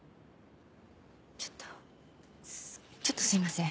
ちょっとちょっとすいません。